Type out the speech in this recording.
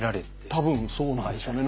多分そうなんですよね。